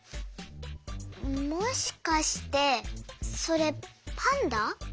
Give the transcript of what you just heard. もしかしてそれパンダ？